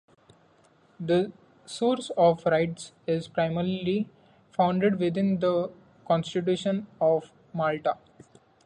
The source of rights is primarily founded within the Constitution of Malta.